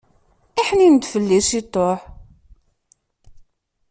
Iḥnin-d fell-i ciṭuḥ!